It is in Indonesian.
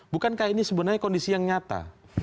bukankah ini sebenarnya kondisi yang nyata